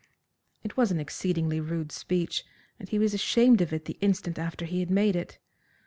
It was an exceedingly rude speech, and he was ashamed of it the instant after he had made it.